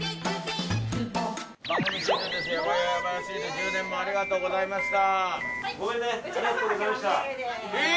充電もありがとうございました。